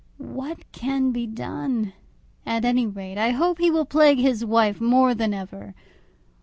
What can be done? At any rate, I hope he will plague his wife more than ever.